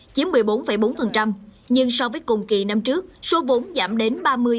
chiếm một mươi bốn bốn nhưng so với cùng kỳ năm trước số vốn giảm đến ba mươi